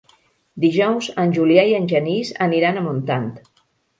Dijous en Julià i en Genís aniran a Montant.